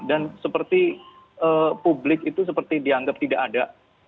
dan seperti publik itu seperti dianggap tidak ada